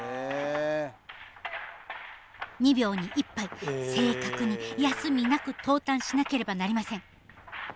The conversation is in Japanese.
２秒に１杯正確に休みなく投炭しなければなりません。